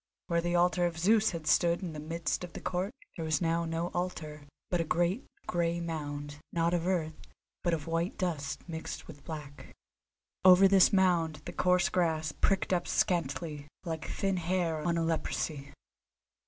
Where the altar of Zeus had stood in the midst of the court there was now no altar, but a great, grey mound, not of earth, but of white dust mixed with black. Over this mound the coarse grass pricked up scantily, like thin hair on a leprosy.